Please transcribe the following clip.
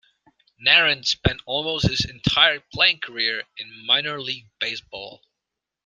Narron spent almost his entire playing career in minor league baseball.